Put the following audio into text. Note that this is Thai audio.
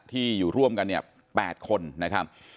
ที่อยู่ร่วมกันเนี่ย๘คนนะครับ